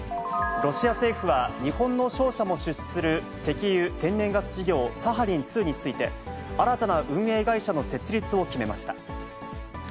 ロシア政府は、日本の商社も出資する石油・天然ガス事業、サハリン２について、新たな運営会社の設立を決めました。